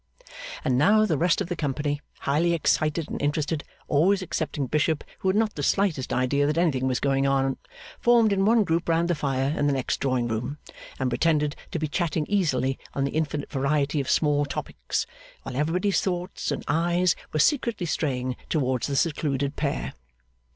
And now the rest of the company, highly excited and interested, always excepting Bishop, who had not the slightest idea that anything was going on, formed in one group round the fire in the next drawing room, and pretended to be chatting easily on the infinite variety of small topics, while everybody's thoughts and eyes were secretly straying towards the secluded pair.